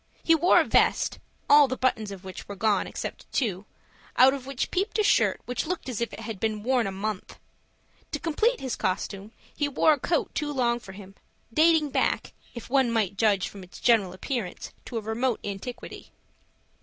He wore a vest, all the buttons of which were gone except two, out of which peeped a shirt which looked as if it had been worn a month. To complete his costume he wore a coat too long for him, dating back, if one might judge from its general appearance, to a remote antiquity.